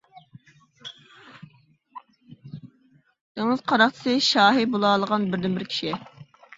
دېڭىز قاراقچىسى شاھى بولالىغان بىردىنبىر كىشى.